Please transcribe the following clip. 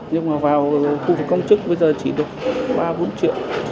nhưng mà vào khu vực công chức bây giờ chỉ được ba bốn triệu